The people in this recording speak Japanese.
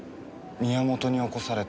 宮本に起こされて。